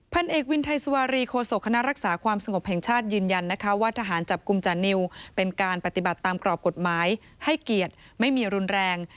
เอกวินไทยสุวารีโคศกคณะรักษาความสงบแห่งชาติยืนยันนะคะว่าทหารจับกลุ่มจานิวเป็นการปฏิบัติตามกรอบกฎหมายให้เกียรติไม่มีรุนแรง